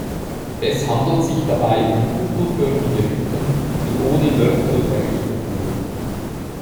Es handelt sich dabei um kuppelförmige Hütten, die ohne Mörtel errichtet wurden.